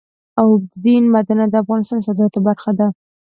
اوبزین معدنونه د افغانستان د صادراتو برخه ده.